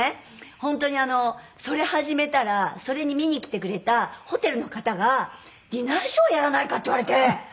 本当にそれ始めたらそれに見に来てくれたホテルの方が「ディナーショーやらないか？」って言われて。